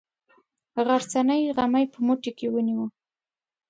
غرڅنۍ غمی په موټي کې ونیوه.